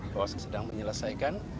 kawasan sedang menyelesaikan